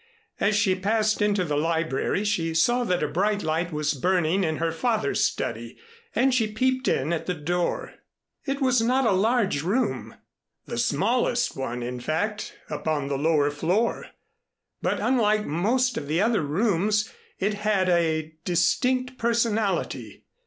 As she passed into the library, she saw that a bright light was burning in her father's study, and she peeped in at the door. It was not a large room, the smallest one, in fact, upon the lower floor, but unlike most of the other rooms, it had a distinct personality.